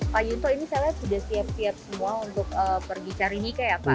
pak yunto ini saya lihat sudah siap siap semua untuk pergi cari nike ya pak